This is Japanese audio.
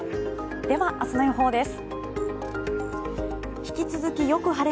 では明日の予報です。